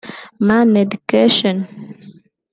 Mana education